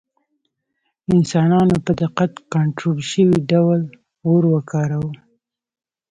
انسانانو په دقت کنټرول شوي ډول اور وکاراوه.